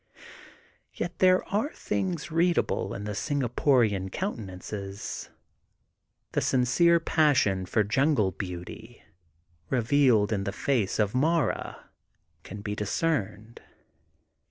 Yet there are things readable in the Singaporian countenances. The sincere passion for jungle beauty re vealed in the face of Mara can be discerned.